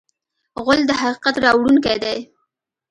غول د حقیقت راوړونکی دی.